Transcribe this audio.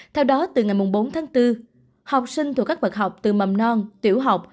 theo đó từ ngày bốn tháng bốn học sinh thuộc các bậc học từ mầm non tiểu học